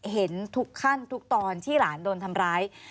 เห็นทุกขั้นทุกตอนที่หลานโดนทำร้าย